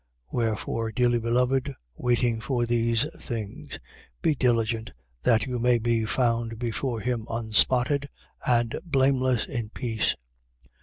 3:14. Wherefore, dearly beloved, waiting for these things, be diligent that you may be found before him unspotted and blameless in peace.